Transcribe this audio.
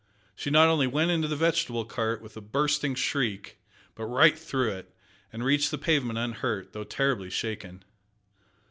She not only went into the vegetable cart, with a bursting shriek, but right through it, and reached the pavement unhurt though terribly shaken!